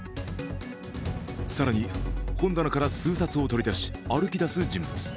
更に本棚から数冊を取り出し、歩きだす人物。